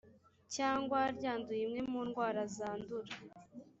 cyangwa ryanduye imwe mu ndwara zandura